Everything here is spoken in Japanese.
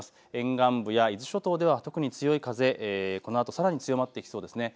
山間部や伊豆諸島、特に強い風、このあとさらに強まってきそうです。